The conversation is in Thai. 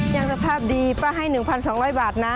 ยังสภาพดีป้าให้๑๒๐๐บาทนะ